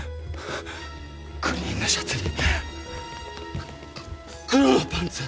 グリーンのシャツに黒のパンツ。